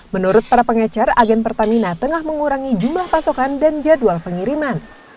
menurut para pengecer agen pertamina tengah mengurangi jumlah pasokan dan jadwal pengiriman